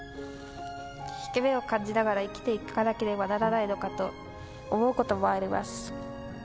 引け目を感じながら生きていかなければならないのかと思うこともあります。